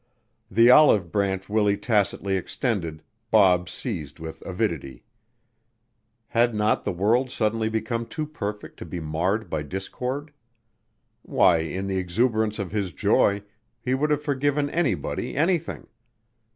The olive branch Willie tacitly extended Bob seized with avidity. Had not the world suddenly become too perfect to be marred by discord? Why, in the exuberance of his joy he would have forgiven anybody anything!